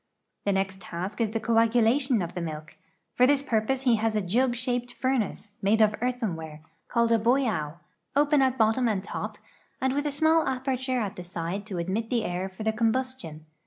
The next task is the coagulation of the milk. For this purpose he has a jug shaped furnace, made of earthenware, called a boido, open at bottom and top, and with a small aperture at the side to admit the air for the combustion.